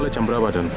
jam berapa don